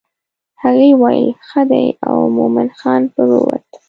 هغې وویل ښه دی او مومن خان پر ووت.